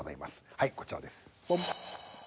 はいこちらです。